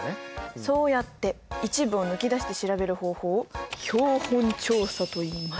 そうやって一部を抜き出して調べる方法を標本調査といいます。